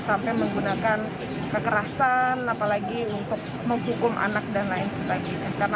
sampai menggunakan kekerasan apalagi untuk menghukum anak dan lain sebagainya